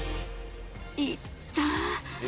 いった。